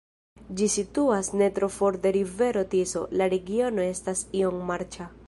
Ĝi situas ne tro for de rivero Tiso, la regiono estis iom marĉa.